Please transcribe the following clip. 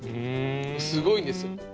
すごいんですよ。